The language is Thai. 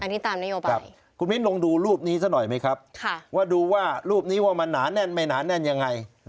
อันนี้ตามนโยบายคุณมิ้นลองดูรูปนี้ซะหน่อยไหมครับว่าดูว่ารูปนี้ว่ามันหนาแน่นไม่หนาแน่นยังไง